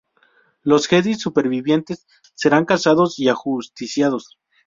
Los Jedi supervivientes serán cazados y ajusticiados.